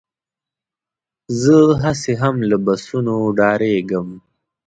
زه هسې هم له بسونو ډارېږم.